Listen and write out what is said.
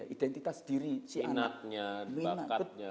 identitas diri si anak minatnya bakatnya